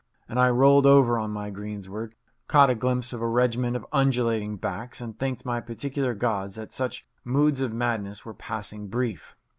And I rolled over on my greensward, caught a glimpse of a regiment of undulating backs, and thanked my particular gods that such moods of madness were passing brief.